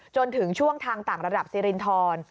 จนถึงช่วงทางต่างระดับสิรินทร